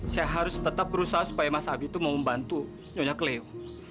saya harus tetap berusaha supaya mas abi itu mau membantu nyonya keleo